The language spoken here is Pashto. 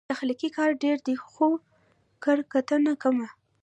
تخلیقي کار ډېر دی، خو کرهکتنه کمه